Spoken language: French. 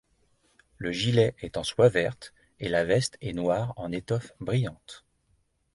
Le gilet est en soie verte et la veste est noire en étoffe brillante.